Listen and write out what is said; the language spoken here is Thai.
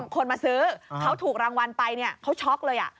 คนมาซื้อเขาถูกรางวัลไปเขาช็อกเลย